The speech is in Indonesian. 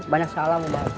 banyak salam sama mbak ben